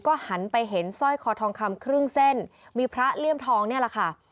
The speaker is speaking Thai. ก็หันไปเห็นสร้อยคอทองคำครึ่งเส้นมีพระเลี่ยมทองนี่แหละค่ะ